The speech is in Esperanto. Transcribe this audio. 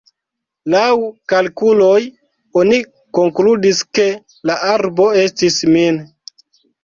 Laŭ kalkuloj, oni konkludis, ke la arbo estis min.